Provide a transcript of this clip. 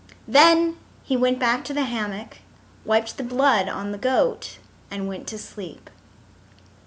Then he went back to the hammock, wiped the blood on the goat, and went to sleep.